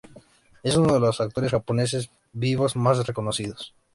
Es uno de los actores japoneses vivos más reconocidos.